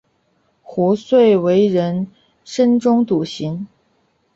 壶遂为人深中笃行。